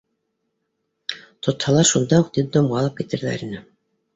Тотһалар, шунда уҡ детдомға алып китерҙәр ине.